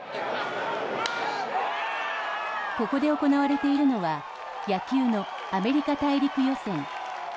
ここで行われているのは野球のアメリカ大陸予選。